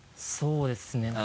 そうですね。